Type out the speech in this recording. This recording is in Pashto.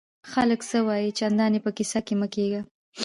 خلک څه وایي؟ چندان ئې په کیسه کي مه کېږه!